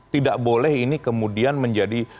tidak boleh ini kemudian menjadi